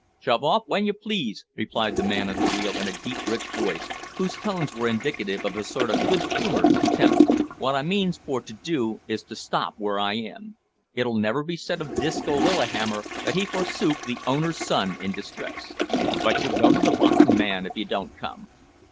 "Shove off w'en you please," replied the man at the wheel, in a deep rich voice, whose tones were indicative of a sort of good humoured contempt; "wot I means for to do is to stop where I am. It'll never be said of Disco Lillihammer that he forsook the owner's son in distress." "But you'll go to the bottom, man, if you don't come."